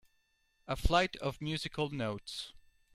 A flight of musical notes.